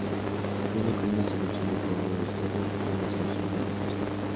Viene con una solución de cloruro de sodio o una solución de glucosa.